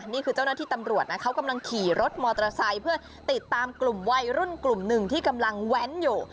นี่คือเจ้าหน้าที่ตำรวจนะเขากำลังขี่รถมอเตอร์ไซค์เพื่อติดตามกลุ่มวัยรุ่นกลุ่มหนึ่งที่กำลังแว้นอยู่